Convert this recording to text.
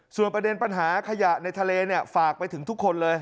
ส่วนประเด็นปัญหาขยะในทะเลฝากไปถึงทุกคนเลย